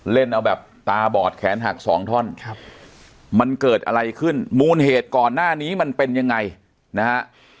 เล่นเอาแบบตาบอดแขนหักสองท่อนครับมันเกิดอะไรขึ้นมูลเหตุก่อนหน้านี้มันเป็นยังไงนะฮะ